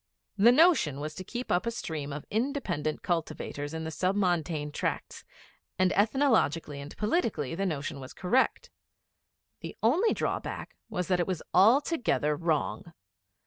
The notion was to keep up a stream of independent cultivators in the Sub Montane Tracts; and ethnologically and politically the notion was correct. The only drawback was that it was altogether wrong.